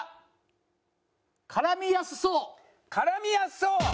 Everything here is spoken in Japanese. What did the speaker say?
「絡みやすそう」。